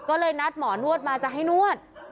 ก็เลยนัดหมอนวดมาจะให้นวด